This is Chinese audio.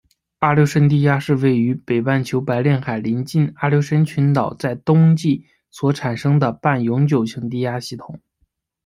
阿留申低压是位于北半球白令海邻近阿留申群岛在冬季所产生的半永久性低压系统。